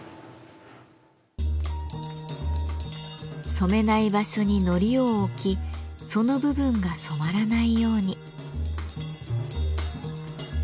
染めない場所に糊を置きその部分が染まらないように。